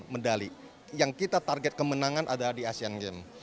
medali yang kita target kemenangan adalah di asian games